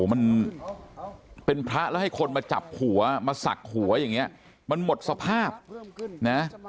มันเป็นพระแล้วให้คนมาจับหัวมาศักดิ์หัวอย่างนี้มันหมดสภาพนะ